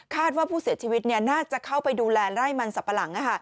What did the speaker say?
ว่าผู้เสียชีวิตน่าจะเข้าไปดูแลไร่มันสับปะหลัง